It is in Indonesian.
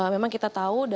memang kita tahu